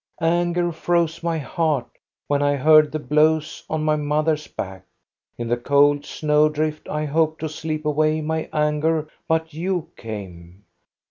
Anger froze my heart when I heard the blows on my mother's back. In the cold snow drift I hoped to sleep away my anger, but you came.